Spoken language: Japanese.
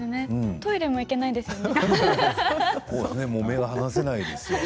トイレも行けないですよね。